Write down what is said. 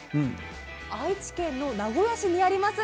愛知県の名古屋市にあります